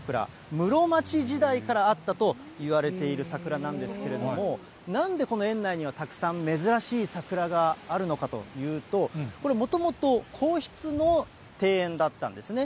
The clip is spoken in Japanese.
室町時代からあったといわれている桜なんですけれども、なんでこの園内にはたくさん珍しい桜があるのかというと、これ、もともと皇室の庭園だったんですね。